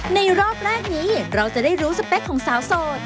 รอบแรกนี้เราจะได้รู้สเปคของสาวโสด